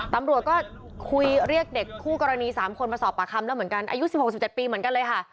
ตำรวจก็คุยเรียกเด็กคู่กรณี๓คนมาสอบปากคำแล้วเหมือนกันอายุ๑๖๑๗ปีเหมือนกันเลยค่ะ